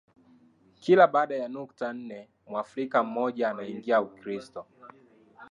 Kila baada ya nukta nne Mwafrika mmoja anaingia Ukristo